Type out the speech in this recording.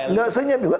tidak senyap juga